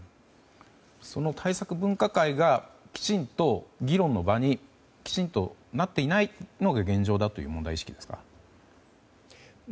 その対策分科会がきちんと議論の場になっていないのが現状だという問題意識ですか？